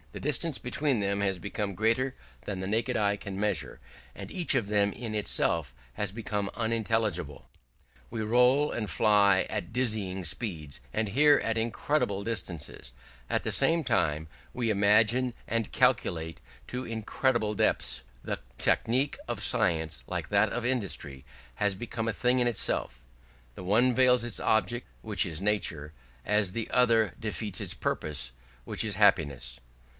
The distance between them has become greater than the naked eye can measure, and each of them in itself has become unintelligible. We roll and fly at dizzy speeds, and hear at incredible distances; at the same time we imagine and calculate to incredible depths. The technique of science, like that of industry, has become a thing in itself; the one veils its object, which is nature, as the other defeats its purpose, which is happiness.